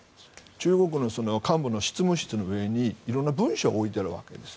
中国の幹部の執務室の上に色んな文書が置いてあるわけです。